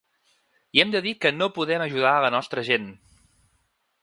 I hem de dir que no podem ajudar a la nostra gent!